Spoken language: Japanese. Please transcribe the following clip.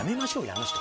あの人。